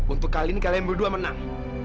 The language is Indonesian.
untuk kali ini kalian berdua menang